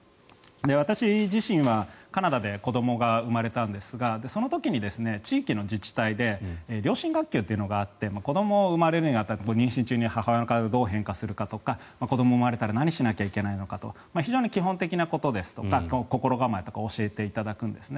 私自身はカナダで子どもが生まれたんですがその時に地域の自治体で両親学級というのがあって子どもが産まれるに当たって妊娠中に母親の体がどう変化するかとか子どもが生まれたら何しなきゃいけないとか非情に基本的なことですとか心構えを教えていただくんですね。